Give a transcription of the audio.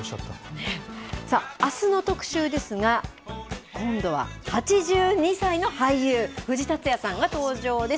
さあ、あすの特集ですが、今度は８２歳の俳優、藤竜也さんが登場です。